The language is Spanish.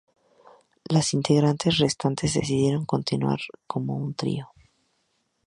Las integrantes restantes decidieron continuar como un trío.